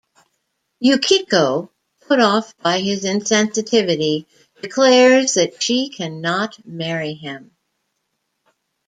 Yukiko, put off by his insensitivity, declares that she cannot marry him.